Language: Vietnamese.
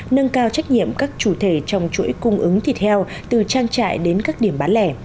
nâng cao trách nhiệm các chủ thể trong chuỗi cung ứng thịt heo từ trang trại đến các điểm bán lẻ